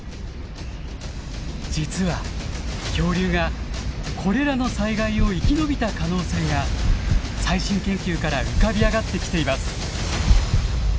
実は恐竜がこれらの災害を生き延びた可能性が最新研究から浮かび上がってきています。